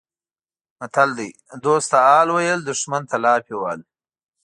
متل دی: دوست ته حال ویل دښمن ته لافې وهل